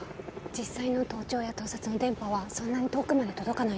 実際の盗聴や盗撮の電波はそんなに遠くまで届かないの。